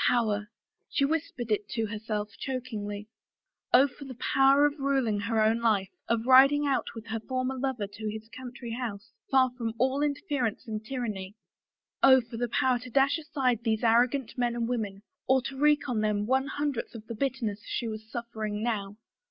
Power! She whispered it to herself chokingly. Oh, for the power of ruling her own life, of riding out with her lover forth to his country home, far from all inter ference and tyranny! Oh, for the power to dash aside these arrogant men and women, or to wreak on them one hundredth of the bitterness that she was suffering now